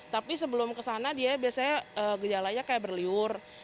tapi sebelum kesana dia biasanya gejalanya kayak berlibur